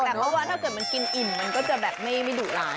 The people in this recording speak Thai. แต่เพราะว่าถ้าเกิดมันกินอิ่มมันก็จะแบบไม่ดุร้าย